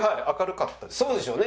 明るかったです。